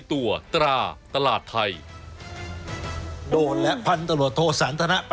แต่เมื่อเช้าผมก็โทหาผองบอจากทิพย์นะ